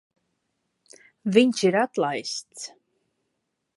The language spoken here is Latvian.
Viņš ir atlaists.